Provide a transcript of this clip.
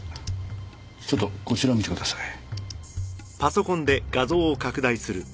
ちょっとこちらを見てください。